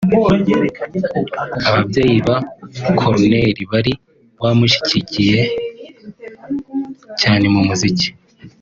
Ababyeyi ba Corneille bari bamushyigikiye cyane mu muziki